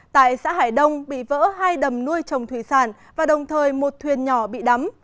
tại xã hải đông bị vỡ hai đầm nuôi trồng thủy sản và đồng thời một thuyền nhỏ bị đắm